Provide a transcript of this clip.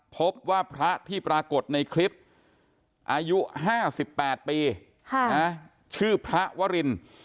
พบว่าพระที่ปรากฏในคลิปอายุ๕๘ปีชื่อพระวริน